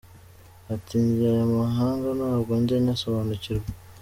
Ati “Njye ayo mabanga ntabwo njya nyasobanukirwa.